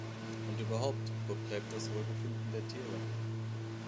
Und überhaupt, wo bleibt das Wohlbefinden der Tiere?